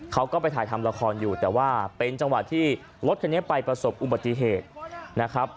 เขาก็ไปถ่ายทำละครอยู่แต่ว่าเป็นจังหวะที่รถคันนี้ไปประสบอุบัติเหตุนะครับ